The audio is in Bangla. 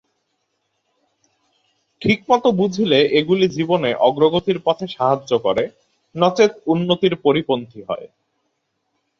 ঠিকমত বুঝিলে এগুলি জীবনে অগ্রগতির পথে সাহায্য করে, নচেৎ উন্নতির পরিপন্থী হয়।